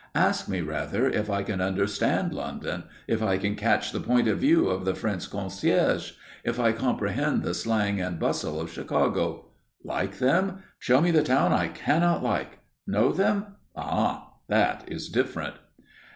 Ask me, rather, if I can understand London, if I can catch the point of view of the French concierge, if I comprehend the slang and bustle of Chicago? Like them? Show me the town I cannot like! Know them? Ah, that is different!